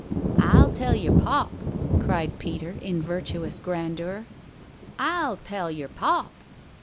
"I'll tell yer pop!" cried Peter, in virtuous grandeur. "I'll tell yer pop!"